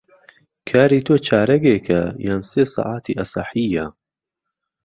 کاری تۆ چارەگێکه یان سێ سهعاتی ئهسهحييه